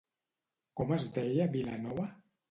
Com es deia vila nova?